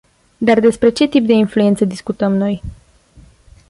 Dar, despre ce tip de influență discutăm noi?